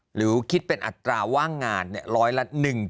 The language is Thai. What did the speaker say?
หรือคิดเป็นอัตราว่างงานร้อยละ๑๗